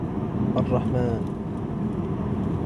الرَّحْمَنُ